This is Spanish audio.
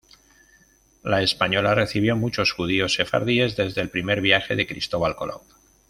La Española recibió muchos judíos sefardíes desde el primer viaje de Cristóbal Colón.